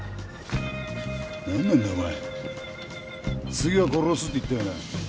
次は殺すって言ったよな。